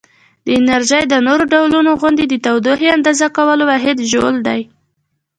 د انرژي د نورو ډولونو غوندې د تودوخې اندازه کولو واحد ژول دی.